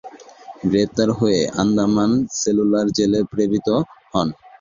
গ্রেপ্তার হয়ে আন্দামান সেলুলার জেলে প্রেরিত হন।